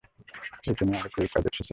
এই ট্রেনে আরো কেউ কাজে এসেছে।